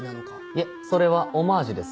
いえそれはオマージュです。